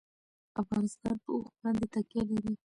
افغانستان په اوښ باندې تکیه لري.